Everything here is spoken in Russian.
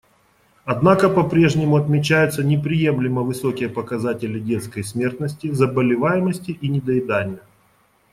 Однако попрежнему отмечаются неприемлемо высокие показатели детской смертности, заболеваемости и недоедания.